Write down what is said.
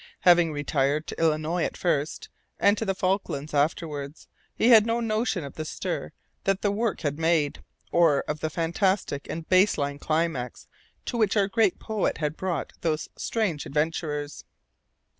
Having retired to Illinois at first and to the Falklands afterwards, he had no notion of the stir that the work had made, or of the fantastic and baseless climax to which our great poet had brought those strange adventures.